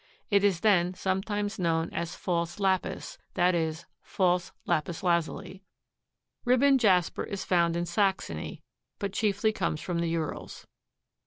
It is then sometimes known as "false lapis," that is, false lapis lazuli. Ribbon jasper is found in Saxony, but chiefly comes from the Urals.